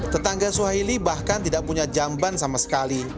tetangga suhaili bahkan tidak punya jamban sama sekali